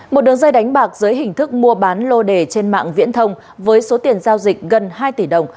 một đường dây đánh bạc dưới hình thức mua bán lô đề trên mạng viễn thông với số tiền giao dịch gần hai tỷ đồng